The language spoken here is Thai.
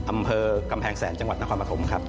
อำเภอกำแพงแสนจังหวัดนครปฐมครับ